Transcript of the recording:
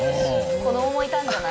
子どももいたんじゃない？